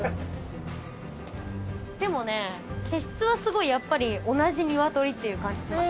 でもね毛質はすごいやっぱり同じ鶏っていう感じします。